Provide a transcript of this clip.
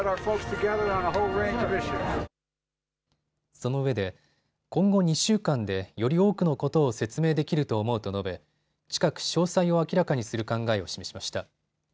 そのうえで今後２週間でより多くのことを説明できると思うと述べ近く詳細を明らかにする考えを示しました。